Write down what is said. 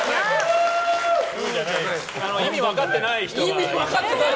意味分かってない。